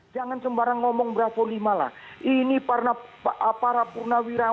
jangan sembarang ngomong bravo lima lah ini para purnawirawan aduh penerima adima kaya seorang